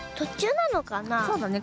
そうだね。